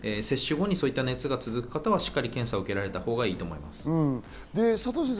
接種後にそういう熱が続く方はしっかり検査を受けられたほうがいいと思います。